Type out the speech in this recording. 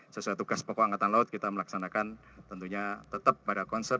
sesuai tugas pokok angkatan laut kita melaksanakan tentunya tetap pada konsep